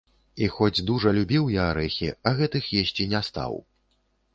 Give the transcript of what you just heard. І хоць дужа любіў я арэхі, а гэтых есці не стаў.